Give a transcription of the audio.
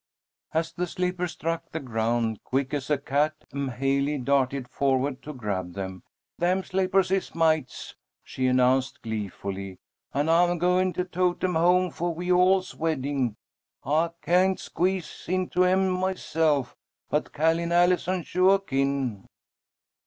As the slippers struck the ground, quick as a cat, M'haley darted forward to grab them. "Them slippahs is mates!" she announced, gleefully, "and I'm goin' to tote 'em home for we all's wedding. I kain't squeeze into 'em myself, but Ca'line Allison suah kin."